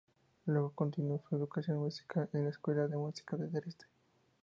Luego continuó su educación musical en el Escuela de Música de Dresde.